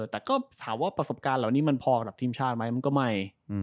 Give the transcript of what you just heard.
แต่ก็ถามว่าประสบการณ์เหล่านี้มันพอกับทีมชาติไหมมันก็ไม่